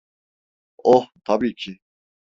Oh, tabii ki.